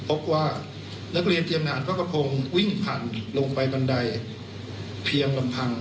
พบว่านักเรียนเตรียมงานก็กระพงวิ่งผ่านลงไปบันไดเพียงลำพัง